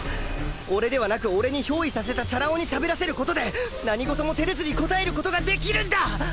俺ではなく俺に憑依させたチャラ男にしゃべらせる事で何事も照れずに答える事ができるんだ！